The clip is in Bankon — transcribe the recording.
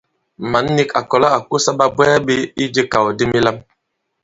Mǎn nīk à kɔ̀la à kosā ɓabwɛɛ ɓē ijē ikàw di milām.